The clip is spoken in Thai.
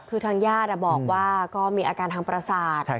คือทางญาติบอกว่าก็มีอาการทางประสาท